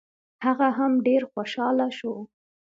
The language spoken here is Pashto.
هغه هم ډېر خوشحاله شو.